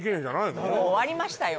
もう終わりましたよ